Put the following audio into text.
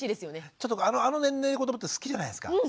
ちょっとあの年齢の子どもって好きじゃないですか